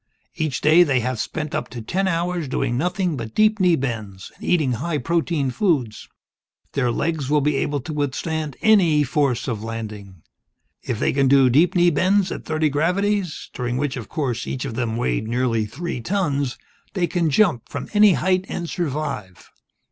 Each day, they have spent up to ten hours doing nothing but deep knee bends, and eating high protein foods. Their legs will be able to withstand any force of landing. If they can do deep knee bends at thirty gravities during which, of course, each of them weighed nearly three tons they can jump from any height and survive.